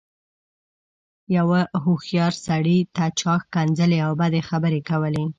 يوه هوښيار سړي ته چا ښکنځلې او بدې خبرې کولې.